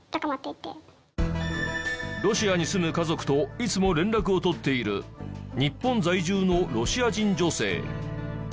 ロシアに住む家族といつも連絡をとっている日本在住のロシア人女性。